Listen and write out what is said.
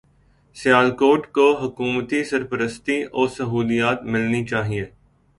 سیالکوٹ کو حکومتی سرپرستی و سہولیات ملنی چاہیے